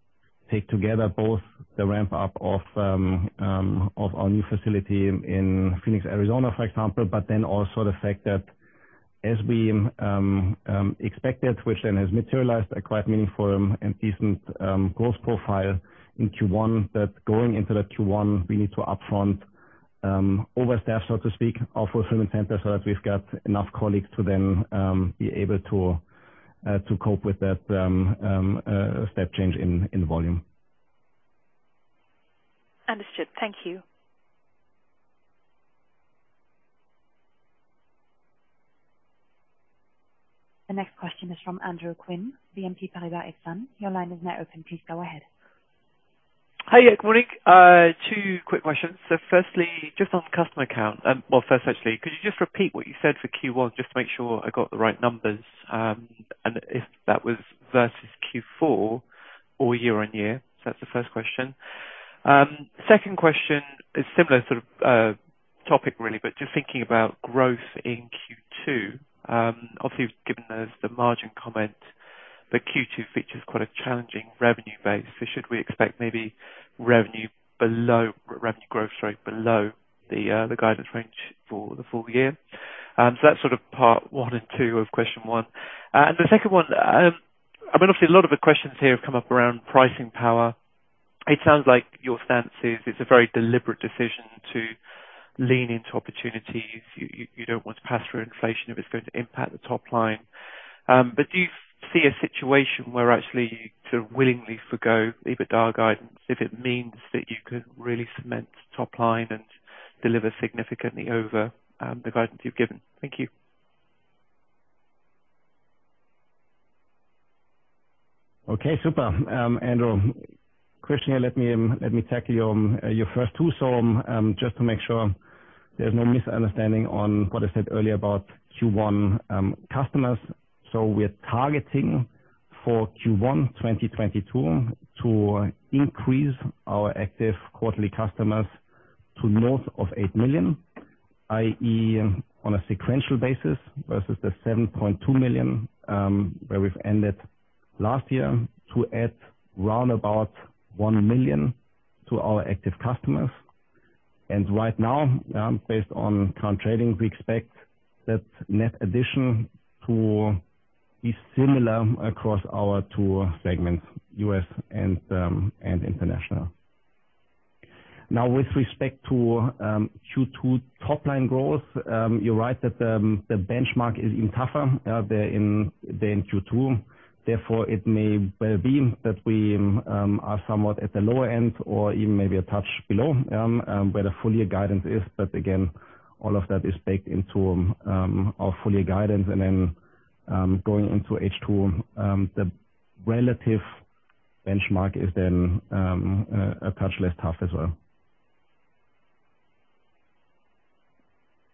take together both the ramp up of our new facility in Phoenix, Arizona, for example, but then also the fact that as we expected, which then has materialized a quite meaningful and decent growth profile in Q1, that going into that Q1, we need to upfront overstaff, so to speak, our fulfillment center so that we've got enough colleagues to be able to cope with that step change in volume. Understood. Thank you. The next question is from Andrew Quinn, BNP Paribas Exane. Your line is now open. Please go ahead. Hi. Good morning. Two quick questions. Firstly, just on customer count. Well, first, actually, could you just repeat what you said for Q1 just to make sure I got the right numbers, and if that was versus Q4 or year-on-year? That's the first question. Second question is similar sort of topic really, but just thinking about growth in Q2. Obviously given the margin comment, the Q2 figure is quite a challenging revenue base. Should we expect maybe revenue below, revenue growth rate below the guidance range for the full year? That's sort of part one and two of question one. The second one, I mean, obviously a lot of the questions here have come up around pricing power. It sounds like your stance is it's a very deliberate decision to lean into opportunities. You don't want to pass through inflation if it's going to impact the top line. Do you see a situation where actually you sort of willingly forgo EBITDA guidance if it means that you can really cement top line and deliver significantly over the guidance you've given? Thank you. Okay. Super. Andrew, Christian, here, let me tackle your first two. Just to make sure there's no misunderstanding on what I said earlier about Q1 customers. We're targeting for Q1 2022 to increase our active quarterly customers to north of 8 million, i.e., on a sequential basis versus the 7.2 million where we've ended last year, to add about 1 million to our active customers. Right now, based on current trading, we expect that net addition to be similar across our two segments, U.S. and international. Now with respect to Q2 top line growth, you're right that the benchmark is even tougher there than in Q2. Therefore, it may well be that we are somewhat at the lower end or even maybe a touch below, where the full year guidance is. Again, all of that is baked into our full year guidance. Then, going into H2, the relative benchmark is then a touch less tough as well.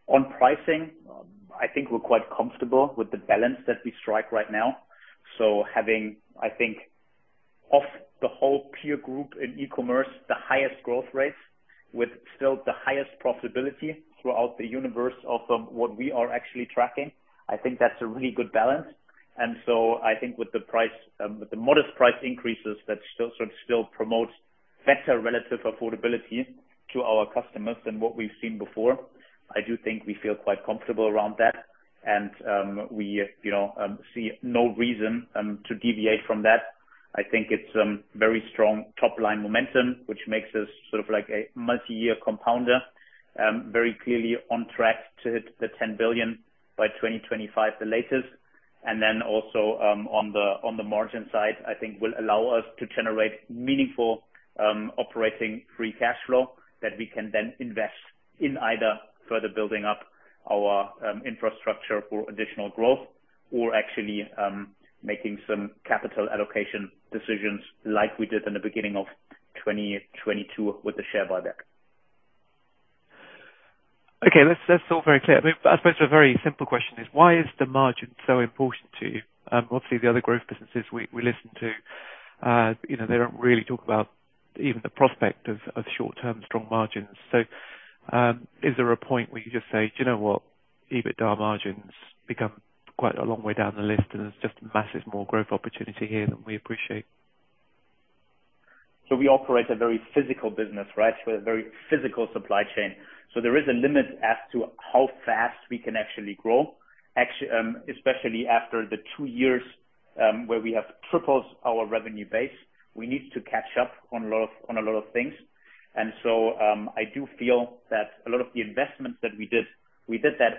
On pricing, I think we're quite comfortable with the balance that we strike right now. Having, I think, of the whole peer group in e-commerce the highest growth rates with still the highest profitability throughout the universe of what we are actually tracking, I think that's a really good balance. I think with the price with the modest price increases, that still promotes better relative affordability to our customers than what we've seen before. I do think we feel quite comfortable around that. We, you know, see no reason to deviate from that. I think it's very strong top line momentum, which makes us sort of like a multi-year compounder very clearly on track to hit 10 billion by 2025 the latest. Also, on the margin side, I think will allow us to generate meaningful operating free cash flow that we can then invest in either further building up our infrastructure for additional growth or actually making some capital allocation decisions like we did in the beginning of 2022 with the share buyback. Okay. That's all very clear. I mean, I suppose a very simple question is why is the margin so important to you? Obviously the other growth businesses we listen to, you know, they don't really talk about even the prospect of short-term strong margins. Is there a point where you just say, "Do you know what? EBITDA margins become quite a long way down the list, and there's just massive more growth opportunity here than we appreciate. We operate a very physical business, right? With a very physical supply chain. There is a limit as to how fast we can actually grow. Actually, especially after the two years where we have tripled our revenue base. We need to catch up on a lot of things. I do feel that a lot of the investments that we did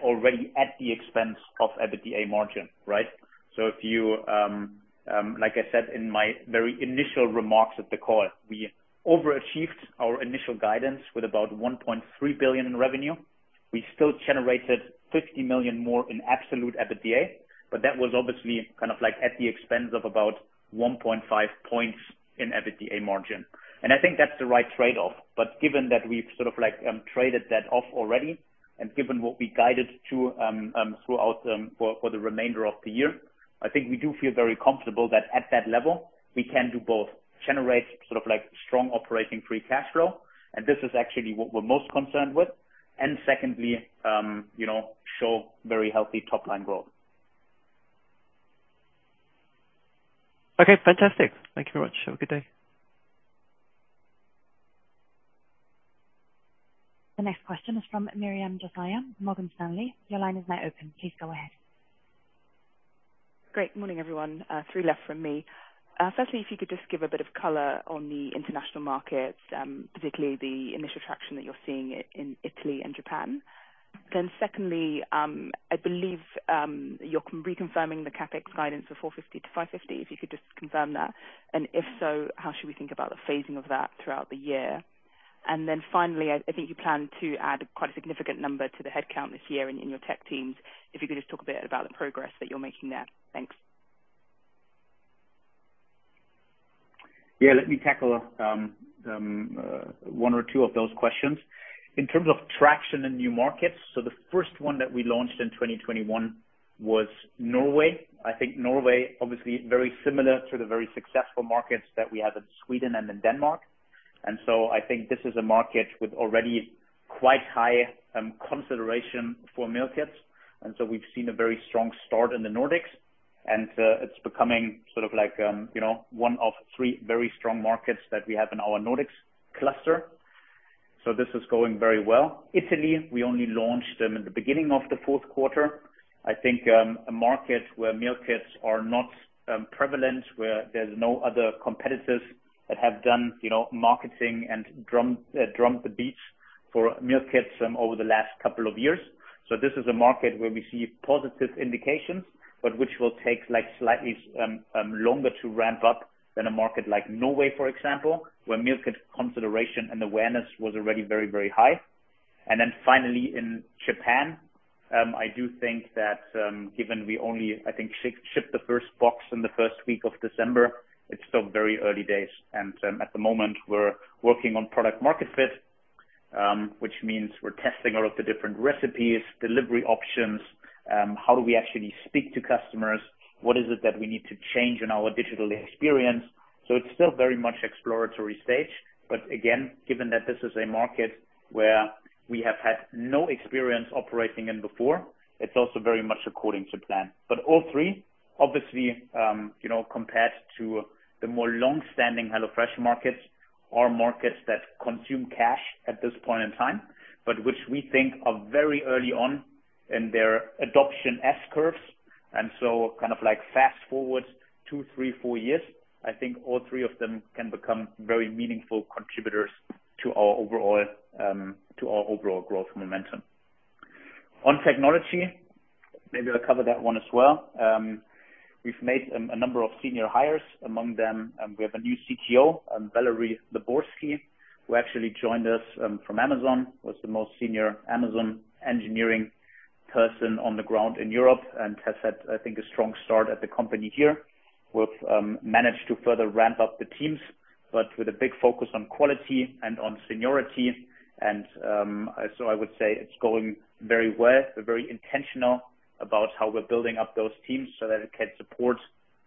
already at the expense of EBITDA margin, right? Like I said in my very initial remarks at the call, we overachieved our initial guidance with about 1.3 billion in revenue. We still generated 50 million more in absolute EBITDA, but that was obviously kind of like at the expense of about 1.5 points in EBITDA margin. I think that's the right trade-off. Given that we've sort of like traded that off already and given what we guided to throughout for the remainder of the year, I think we do feel very comfortable that at that level, we can do both generate sort of like strong operating free cash flow, and this is actually what we're most concerned with. And secondly, you know, show very healthy top line growth. Okay. Fantastic. Thank you very much. Have a good day. The next question is from Miriam Josiah, Morgan Stanley. Your line is now open. Please go ahead. Good morning, everyone. Three left from me. Firstly, if you could just give a bit of color on the international markets, particularly the initial traction that you're seeing in Italy and Japan. Secondly, I believe you're reconfirming the CapEx guidance for 450 million-550 million. If you could just confirm that. If so, how should we think about the phasing of that throughout the year? Finally, I think you plan to add quite a significant number to the headcount this year in your tech teams. If you could just talk a bit about the progress that you're making there. Thanks. Yeah. Let me tackle one or two of those questions. In terms of traction in new markets, the first one that we launched in 2021 was Norway. I think Norway obviously very similar to the very successful markets that we have in Sweden and in Denmark. I think this is a market with already quite high consideration for meal kits. We've seen a very strong start in the Nordics. It's becoming sort of like you know one of three very strong markets that we have in our Nordics cluster. This is going very well. Italy, we only launched them in the beginning of the fourth quarter. I think a market where meal kits are not prevalent, where there's no other competitors that have done, you know, marketing and drummed the beats for meal kits over the last couple of years. This is a market where we see positive indications, but which will take, like, slightly longer to ramp up than a market like Norway, for example, where meal kit consideration and awareness was already very, very high. Finally, in Japan, I do think that given we only, I think, shipped the first box in the first week of December, it's still very early days. At the moment we're working on product market fit, which means we're testing all of the different recipes, delivery options, how do we actually speak to customers? What is it that we need to change in our digital experience? It's still very much exploratory stage, but again, given that this is a market where we have had no experience operating in before, it's also very much according to plan. All three obviously, you know, compared to the more long-standing HelloFresh markets or markets that consume cash at this point in time, but which we think are very early on in their adoption S-curves. Kind of like fast-forward two, three, four years, I think all three of them can become very meaningful contributors to our overall growth momentum. On technology, maybe I'll cover that one as well. We've made a number of senior hires, among them, we have a new CTO, Valeri Liborski, who actually joined us from Amazon. Was the most senior Amazon engineering person on the ground in Europe and has had, I think, a strong start at the company here. We've managed to further ramp up the teams, but with a big focus on quality and on seniority, and so I would say it's going very well. We're very intentional about how we're building up those teams so that it can support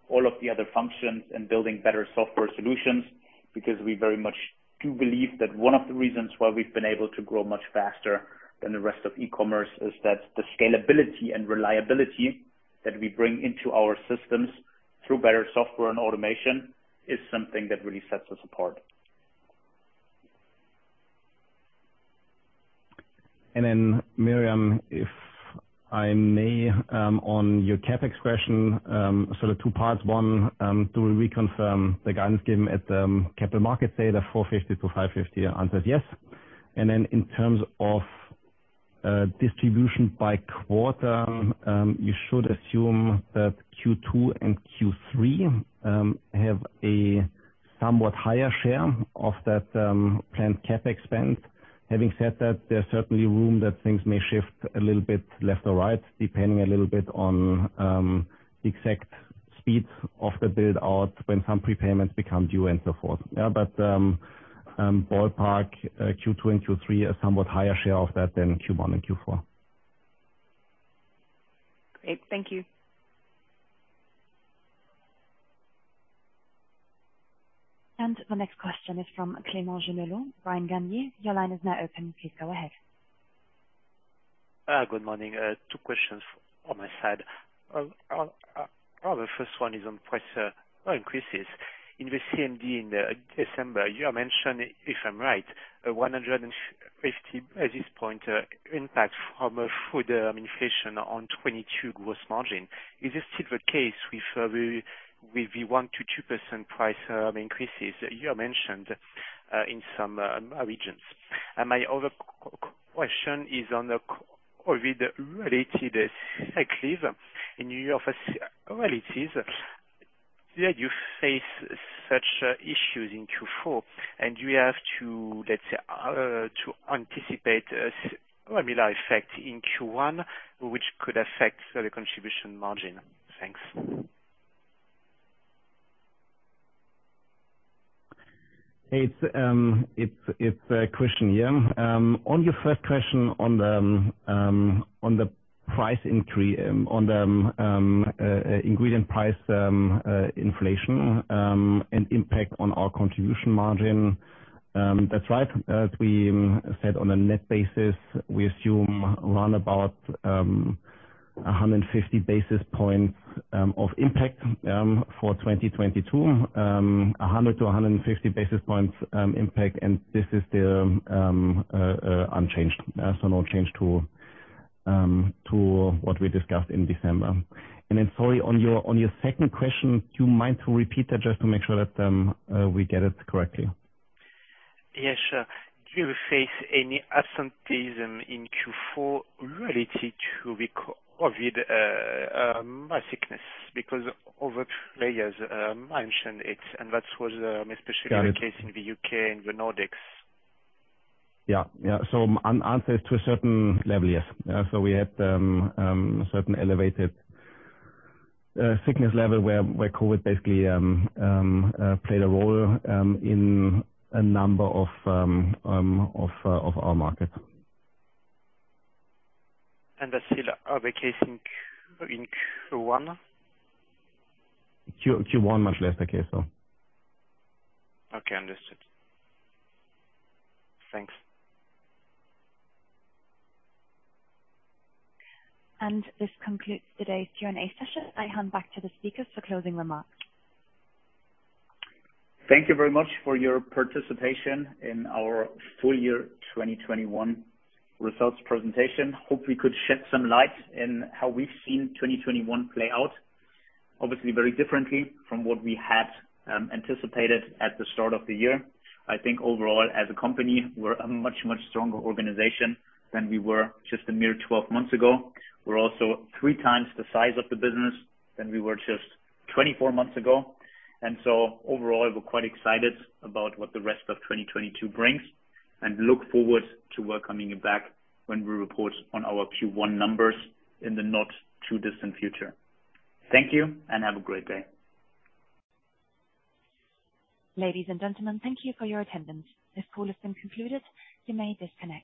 all of the other functions and building better software solutions. Because we very much do believe that one of the reasons why we've been able to grow much faster than the rest of e-commerce is that the scalability and reliability that we bring into our systems through better software and automation is something that really sets us apart. Miriam, if I may, on your CapEx question, sort of two parts. One, do we confirm the guidance given at the capital markets day, the 450 million-550 million? Answer is yes. In terms of distribution by quarter, you should assume that Q2 and Q3 have a somewhat higher share of that planned CapEx spend. Having said that, there's certainly room that things may shift a little bit left or right, depending a little bit on exact speeds of the build out when some prepayments become due and so forth. Yeah, but ballpark, Q2 and Q3 are somewhat higher share of that than Q1 and Q4. Great. Thank you. The next question is from Clément Genelot, Berenberg. Your line is now open. Please go ahead. Good morning. Two questions on my side. Probably first one is on price increases. In the CMD in December, you mentioned, if I'm right, a 150-point impact from food inflation on 2022 gross margin. Is this still the case with the 1%-2% price increases you mentioned in some regions? My other question is on the COVID-related cycles. Did you face such issues in Q4 and you have to, let's say, anticipate a similar effect in Q1, which could affect the contribution margin? Thanks. It's Christian here. On your first question on the price increase on the ingredient price inflation and impact on our Contribution Margin. That's right. As we said on a net basis, we assume around about 150 basis points of impact for 2022. 100-150 basis points impact, and this is unchanged. No change to what we discussed in December. Sorry, on your second question, do you mind to repeat that just to make sure that we get it correctly? Yes, sure. Do you face any absenteeism in Q4 related to the COVID sickness? Because other players mentioned it, and that was especially- Got it. The case in the U.K. and the Nordics. Yeah. An answer is to a certain level, yes. We had certain elevated sickness level where COVID basically played a role in a number of our markets. Is it still the case in Q1? Q1, much less the case, so. Okay. Understood. Thanks. This concludes today's Q&A session. I hand back to the speakers for closing remarks. Thank you very much for your participation in our full year 2021 results presentation. Hope we could shed some light in how we've seen 2021 play out. Obviously very differently from what we had anticipated at the start of the year. I think overall as a company, we're a much, much stronger organization than we were just a mere 12 months ago. We're also three times the size of the business than we were just 24 months ago. Overall, we're quite excited about what the rest of 2022 brings, and look forward to welcoming you back when we report on our Q1 numbers in the not too distant future. Thank you, and have a great day. Ladies and gentlemen, thank you for your attendance. This call has been concluded. You may disconnect.